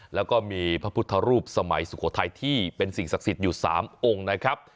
แล้วก็มีพระพุทธรูปสมัยสุโขทัยที่เป็นสิ่งศักดิ์สิทธิ์อยู่๓องค์นะครับ